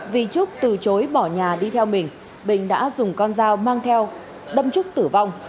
vì trúc từ chối bỏ nhà đi theo mình bình đã dùng con dao mang theo đâm trúc tử vong